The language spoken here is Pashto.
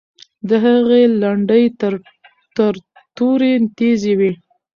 د هغې لنډۍ تر تورې تیزې وې.